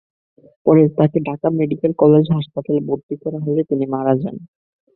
পরে তাঁকে Dhaka medical college হাসপাতালে ভর্তি করা হলে তিনি মারা যান।